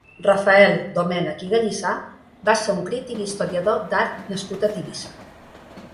Rafael Domènech i Gallissà va ser un crític i historiador d'art nascut a Tivissa.